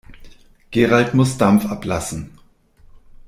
Gerald muss Dampf ablassen.